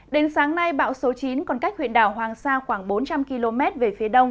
đến sáng nay bão số chín còn cách huyện đảo hoàng sa khoảng bốn trăm linh km về phía đông